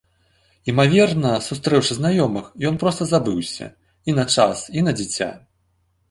Імаверна, сустрэўшы знаёмых, ён проста забыўся і на час, і на дзіця.